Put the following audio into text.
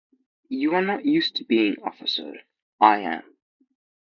You are not used to being officered; I am.